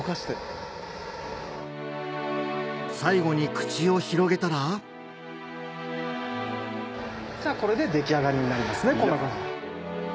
最後に口を広げたらこれで出来上がりになりますね。